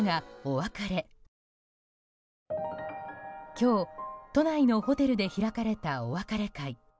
今日、都内のホテルで開かれたお別れ会。